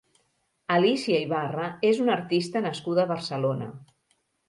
Alicia Ibarra és una artista nascuda a Barcelona.